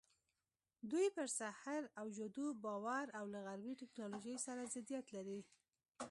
دوی پر سحر او جادو باور او له غربي ټکنالوژۍ سره ضدیت لري.